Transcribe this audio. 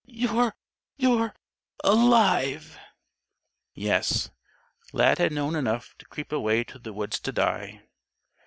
You're you're alive!" Yes, Lad had known enough to creep away to the woods to die.